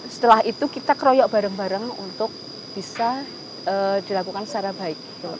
setelah itu kita keroyok bareng bareng untuk bisa dilakukan secara baik